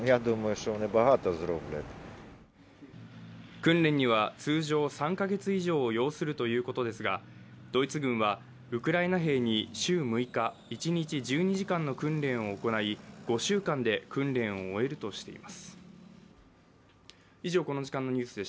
訓練には通常３か月以上を要するということですがドイツ軍はウクライナ兵に週６日、一日１２時間の訓練を行い、５週間で訓練を終えるとしています。